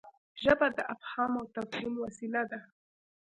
ژبه د افهام او تفهیم وسیله ده.